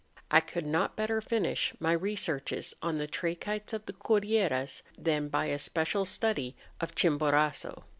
I could not better finish my researches on the trachytes of the Cordilleras than by a special study of Chimborazo.